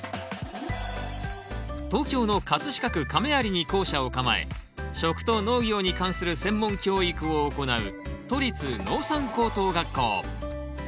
東京の飾区亀有に校舎を構え食と農業に関する専門教育を行う都立農産高等学校。